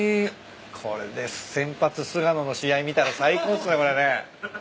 これで先発菅野の試合見たら最高っすねこれね。